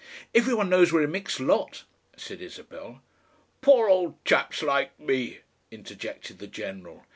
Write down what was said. "Every one knows we're a mixed lot," said Isabel. "Poor old chaps like me!" interjected the general.